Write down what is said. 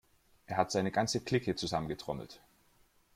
Er hat seine ganze Clique zusammengetrommelt.